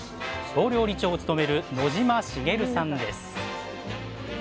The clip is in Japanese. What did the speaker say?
総料理長を務める野島茂さんです。